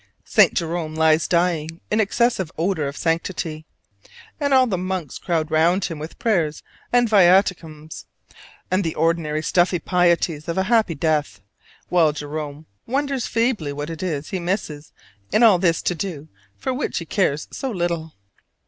St. Jerome lies dying in excessive odor of sanctity, and all the monks crowd round him with prayers and viaticums, and the ordinary stuffy pieties of a "happy death," while Jerome wonders feebly what it is he misses in all this to do for which he cares so little.